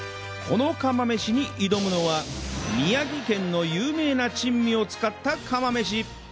この釜飯に挑むのは宮城県の有名な珍味を使った釜飯